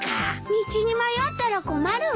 道に迷ったら困るわ。